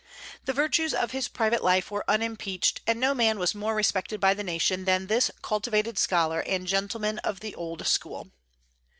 The virtues of his private life were unimpeached, and no man was more respected by the nation than this cultivated scholar and gentleman of the old school.